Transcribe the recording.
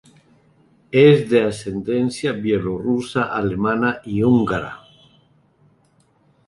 Es de ascendencia bielorrusa, alemana y húngara.